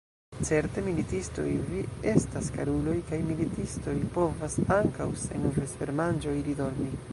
Certe, militistoj vi estas, karuloj, kaj militistoj povas ankaŭ sen vespermanĝo iri dormi!